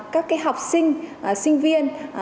các học sinh sinh viên